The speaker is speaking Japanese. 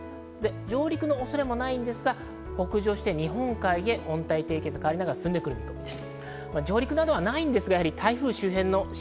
上陸の恐れもないんですが、北上して日本海を温帯低気圧に変わって進んでいく見込みです。